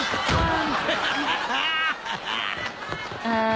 ああ。